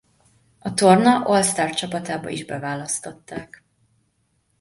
A torna All-Star csapatába is beválasztották.